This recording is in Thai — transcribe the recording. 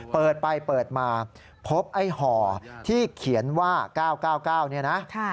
เปิดไปเปิดมาพบห่อที่เขียนว่า๙๙๙นะ